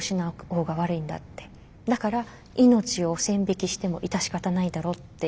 「だから命を線引きしても致し方ないだろ」って。